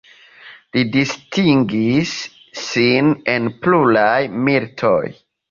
Li distingis sin en pluraj militoj.